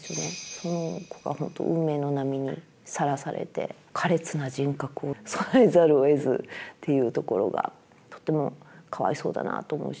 その子が本当運命の波にさらされて苛烈な人格を備えざるをえずっていうところがとてもかわいそうだなと思うし。